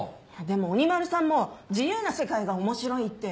でも鬼丸さんも自由な世界が面白いって。